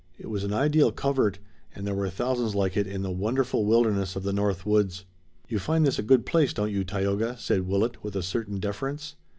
It was an ideal covert, and there were thousands like it in the wonderful wilderness of the North Woods. "You find this a good place, don't you, Tayoga?" said Willet, with a certain deference.